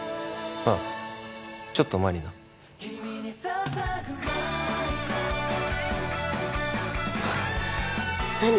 ああちょっと前にな何？